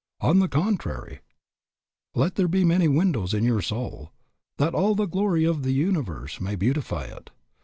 On the contrary "Let there be many windows in your soul, That all the glory of the universe May beautify it.